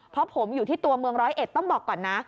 เพราะผมอยู่ที่ตัวเมืองร้อยเอ็ดต้องบอกก่อนนะ